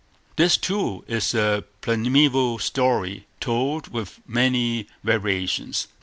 This, too, is a primaeval story, told with many variations.